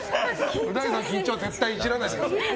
う大さんの緊張はイジらないでください。